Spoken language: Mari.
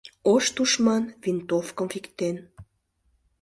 Ош тушман винтовкым виктен